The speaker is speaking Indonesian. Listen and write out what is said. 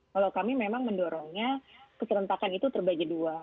kalau kami memang mendorongnya keserentakan itu terbagi dua